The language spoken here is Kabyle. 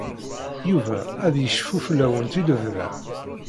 Yuba ad yecfu fell-awent i lebda.